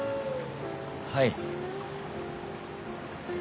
はい。